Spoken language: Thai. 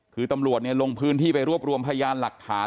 คือตำรวจลงพื้นที่ไปรวบรวมพยานหลักฐาน